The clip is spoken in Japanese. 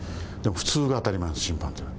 普通が当たり前です審判というのは。